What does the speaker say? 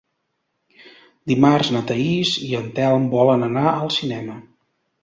Dimarts na Thaís i en Telm volen anar al cinema.